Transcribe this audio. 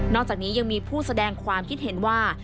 อกจากนี้ยังมีผู้แสดงความคิดเห็นว่า